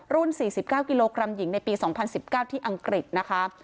๔๙กิโลกรัมหญิงในปี๒๐๑๙ที่อังกฤษนะคะ